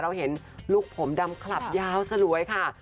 เห็นลูกผมดำคลับยาวสลวยค่ะ